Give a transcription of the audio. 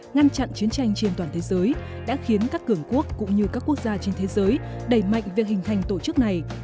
ngăn chặn chiến tranh trên toàn thế giới đã khiến các cường quốc cũng như các quốc gia trên thế giới đẩy mạnh việc hình thành tổ chức này